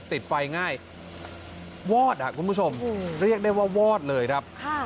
ติดไฟง่ายวอดอ่ะคุณผู้ชมเรียกได้ว่าวอดเลยครับ